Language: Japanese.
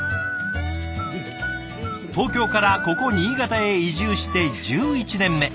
東京からここ新潟へ移住して１１年目。